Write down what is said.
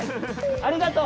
ありがとう。